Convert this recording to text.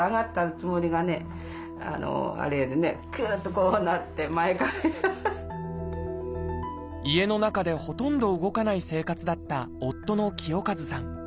ここがすっと家の中でほとんど動かない生活だった夫の清和さん。